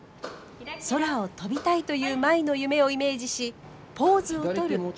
空を飛びたいという舞の夢をイメージしポーズを取る福原さん。